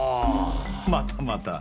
またまた。